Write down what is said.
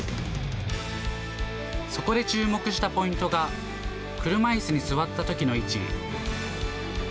そこで注目したポイントが、車いすに座ったときの位置。